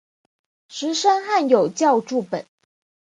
石声汉有校注本。